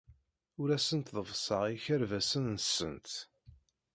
Ur asent-ḍeffseɣ ikerbasen-nsent.